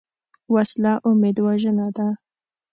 وسله امید وژنه ده